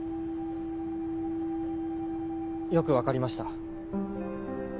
よく分かりました。